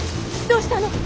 どうしたの？